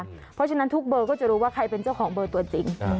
เพราะฉะนั้นทุกเบอร์ก็จะรู้ว่าใครเป็นเจ้าของเบอร์ตัวจริง